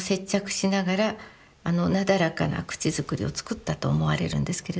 あのなだらかな口造りをつくったと思われるんですけれども。